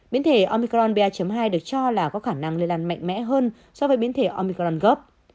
biến thể omicron ba hai được cho là có khả năng lây lan mạnh mẽ hơn so với biến thể omicronov